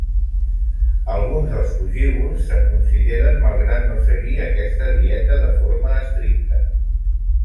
Alguns de frugívors se'n consideren malgrat no seguir aquesta dieta de forma estricta.